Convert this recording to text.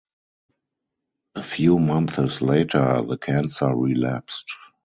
A few months later the cancer relapsed.